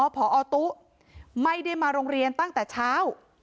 พอตุ๊ไม่ได้มาโรงเรียนตั้งแต่เช้า